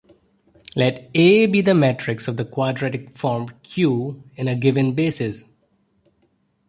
Let "A" be the matrix of the quadratic form "q" in a given basis.